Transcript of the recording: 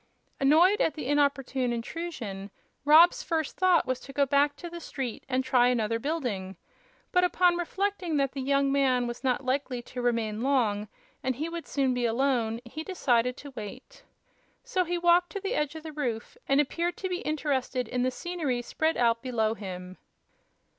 Annoyed at the inopportune intrusion, Rob's first thought was to go back to the street and try another building; but, upon reflecting that the young man was not likely to remain long and he would soon be alone, he decided to wait. So he walked to the edge of the roof and appeared to be interested in the scenery spread out below him.